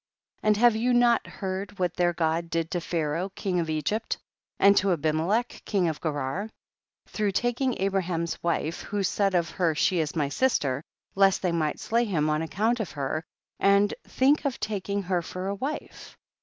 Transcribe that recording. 13. And have you not heard what their God did to Pharaoh king of Egypt, and to Abimelech king of Gerar, through taking Abraham's wife, who said of her she is my sis ter, lest they might slay him on ac count of her, and think of taking her for a wife?